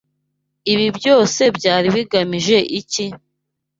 Ibi byose byari bigamije iki?